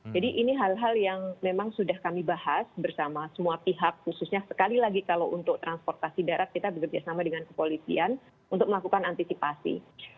jadi ini hal hal yang memang sudah kami bahas bersama semua pihak khususnya sekali lagi kalau untuk transportasi darat kita bekerja sama dengan kepolisian untuk melakukan antisipasi